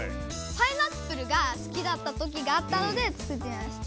パイナップルが好きだった時があったので作ってみました。